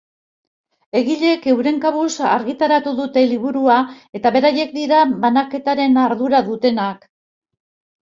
Egileek euren kabuz argitaratu dute liburua eta beraiek dira banaketaren ardura dutenak.